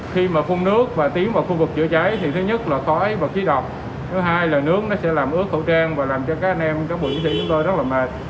khi mà phun nước và tiến vào khu vực chữa cháy thì thứ nhất là khói và khí độc thứ hai là nước nó sẽ làm ướt khẩu trang và làm cho các anh em các bộ y tế chúng tôi rất là mệt